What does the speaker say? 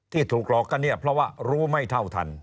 ที่ถูกหลอกก็เพราะว่ารู้ไม่เถ้าทัน